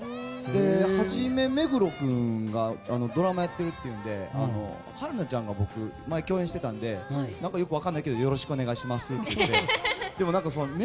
初め、目黒君がドラマをやってるというので春奈ちゃんが僕、共演していたのでよろしくお願いしますって言って。